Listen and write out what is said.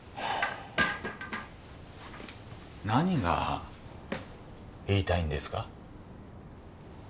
何が言いたいんですか？